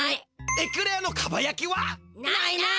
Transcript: エクレアのかばやきは？ないない！